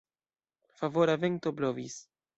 Favora vento blovis.